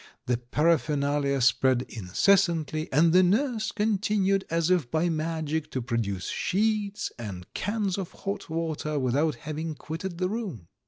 The para phernalia spread incessantly, and the nurse con tinued, as if by magic, to produce sheets, and cans of hot water without having quitted the room.